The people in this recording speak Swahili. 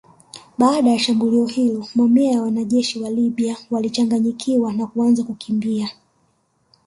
Baada ya shambulio hilo mamia ya wanajeshi wa Libya walichanganyikiwa na kuanza kukimbia